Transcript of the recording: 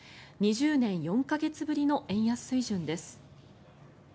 ２０年４か月ぶりの円安水準です。